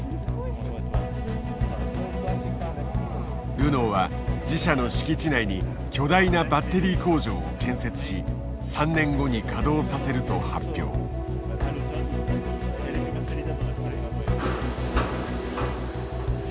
ルノーは自社の敷地内に巨大なバッテリー工場を建設し３年後に稼働させると発表。を投入する。